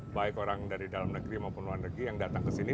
baik orang dari dalam negeri maupun luar negeri yang datang ke sini